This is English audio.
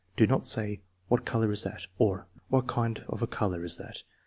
" Do not say: " What color is that ?" or, " What kind of a color is that